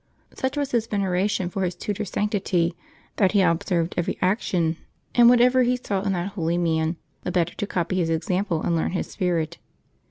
Such was his veneration for his tutor's sanctity that he observed every action and whatever he saw in that holy man, the better to copy his example and learn his spirit.